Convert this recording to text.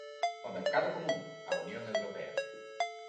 O Mercado Común, a Unión Europea.